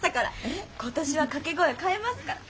今年は掛け声を変えますから。